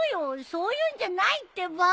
そういうんじゃないってば。